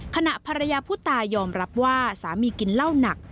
ขณะภรรยาผู้ตายยอมรับว่าสามีกินเหล้าหนัก